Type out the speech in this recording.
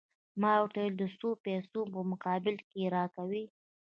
ما ورته وویل: د څو پیسو په مقابل کې يې راکوې؟